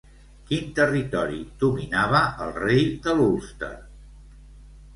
Quin territori dominava el rei de l'Ulster?